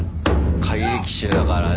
怪力衆だからね。